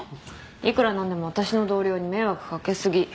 いくら何でも私の同僚に迷惑掛け過ぎ。